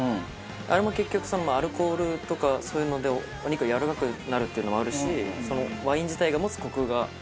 あれも結局アルコールとかそういうのでお肉がやわらかくなるっていうのもあるしワイン自体が持つコクが。